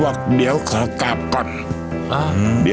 ผมจะมีรูปภาพของพระพิสุนุกรรม